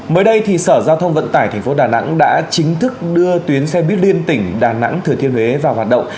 mới đây sở giao thông vận tải tp đà nẵng đã chính thức đưa tuyến xe buýt liên tỉnh đà nẵng thừa thiên huế vào hoạt động